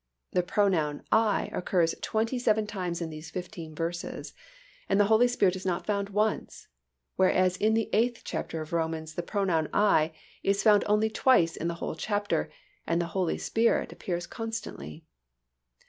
The pronoun "I" occurs twenty seven times in these fifteen verses and the Holy Spirit is not found once, whereas in the eighth chapter of Romans the pronoun "I" is found only twice in the whole chapter and the Holy Spirit appears constantly.